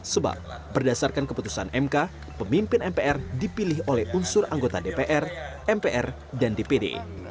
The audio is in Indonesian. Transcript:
sebab berdasarkan keputusan mk pemimpin mpr dipilih oleh unsur anggota dpr mpr dan dpd